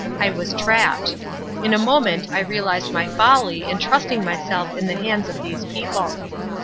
I was trapped. In a moment I realized my folly in trusting myself in the hands of these people.